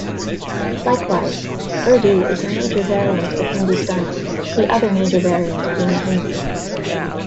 Likewise, Urdu is a major variant of Hindustani, the other major variant being Hindi.